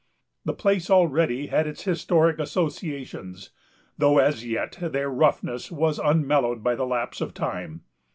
The place already had its historic associations, though, as yet, their roughness was unmellowed by the lapse of time.